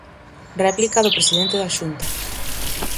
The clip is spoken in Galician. Réplica do presidente da Xunta.